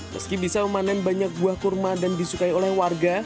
meski bisa memanen banyak buah kurma dan disukai oleh warga